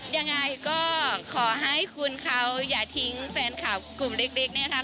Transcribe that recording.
ยังไงก็ขอให้คุณเขาอย่าทิ้งแฟนคลับกลุ่มเล็กเนี่ยนะคะ